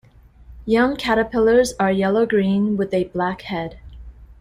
Young caterpillars are yellow-green, with a black head.